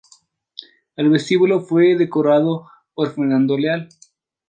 El vestíbulo fue decorado por Fernando Leal.